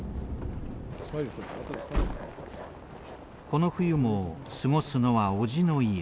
この冬も過ごすのは叔父の家。